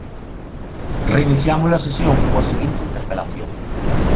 Reiniciamos a sesión coa seguinte interpelación.